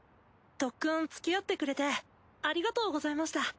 特訓つきあってくれてありがとうございました。